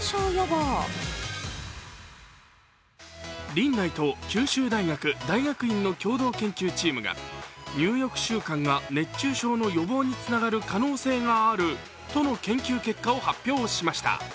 リンナイと九州大学大学院の共同研究チームが入浴習慣が熱中症の予防につながる可能性があるとの研究結果を発表しました。